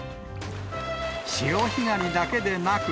潮干狩りだけでなく。